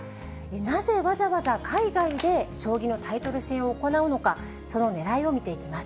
なぜわざわざ海外で将棋のタイトル戦を行うのか、そのねらいを見ていきます。